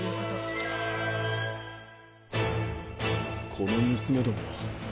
この娘共は。